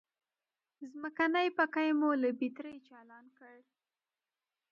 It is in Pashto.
ځمکنی پکی مو له بترۍ چالان کړ.